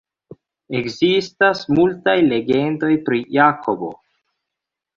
Ekzistas multaj legendoj pri Jakobo.